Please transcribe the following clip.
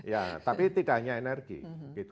ya tapi tidak hanya energi